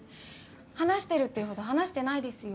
話してるっていうほど話してないですよ。